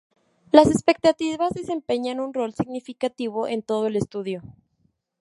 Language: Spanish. Las expectativas desempeñan un rol significativo en todo el estudio.